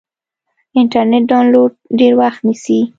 انټرنیټ ډاونلوډ ډېر وخت نیسي.